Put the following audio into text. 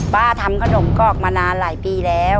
ทำขนมกอกมานานหลายปีแล้ว